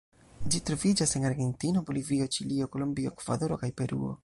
Ĝi troviĝas en Argentino, Bolivio, Ĉilio, Kolombio, Ekvadoro, kaj Peruo.